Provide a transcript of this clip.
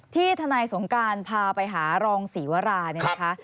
ทนายสงการพาไปหารองศรีวราเนี่ยนะคะ